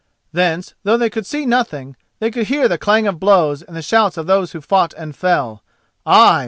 Thence, though they could see nothing, they could hear the clang of blows and the shouts of those who fought and fell—ay!